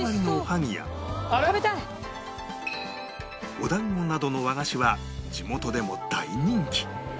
お団子などの和菓子は地元でも大人気